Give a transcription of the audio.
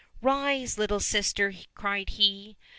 " Rise, little sister !" cried he.